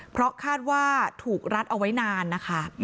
เพราะคาดว่าถูกรัดเอาไว้นานนะคะ